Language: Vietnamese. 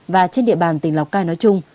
và trên địa bàn tỉnh lọc cai nói chung